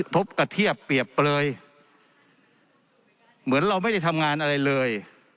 กระทบกระเทียบเปรียบเปลยเหมือนเราไม่ได้ทำงานอะไรเลย